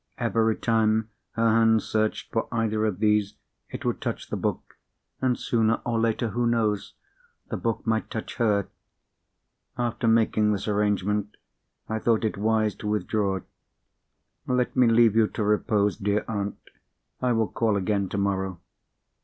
Every time her hand searched for either of these, it would touch the book; and, sooner or later (who knows?) the book might touch her. After making this arrangement, I thought it wise to withdraw. "Let me leave you to repose, dear aunt; I will call again tomorrow."